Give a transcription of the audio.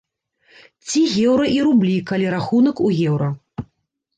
Ці еўра і рублі, калі рахунак у еўра.